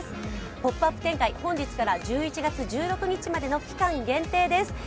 ポップアップ展開、本日から１１月１６日までの期間限定です。